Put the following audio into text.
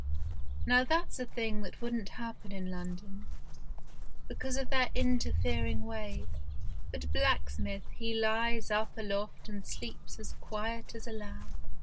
Now that's a thing that wouldn't happen in London, because of their interfer ing ways, but blacksmith he lies up aloft and sleeps as quiet as a lamb.